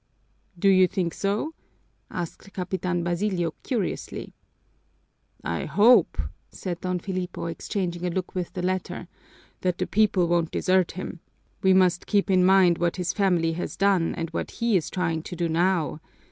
"Do you think so?" asked Capitan Basilio curiously. "I hope," said Don Filipo, exchanging a look with the latter, "that the people won't desert him. We must keep in mind what his family has done and what he is trying to do now.